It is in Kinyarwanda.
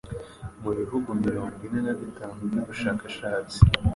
mu bihugu mirongo ine na bitanu by’ubushakashatsi.